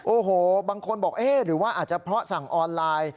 โอ้โหบางคนบอกเอ๊ะหรือว่าอาจจะเพราะสั่งออนไลน์